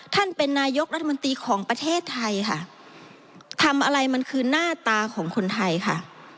ท่านเป็นนายกรัฐมนตรีของประเทศไทยค่ะทำอะไรมันคือหน้าตาของคนไทยค่ะ